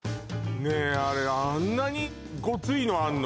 あれ、あんなにゴツいのあんの？